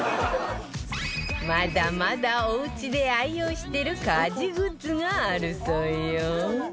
まだまだおうちで愛用してる家事グッズがあるそうよ